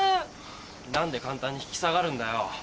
何で簡単に引き下がるんだよ。